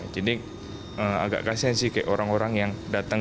jadi agak kasian sih kayak orang orang yang datang